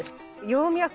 葉脈？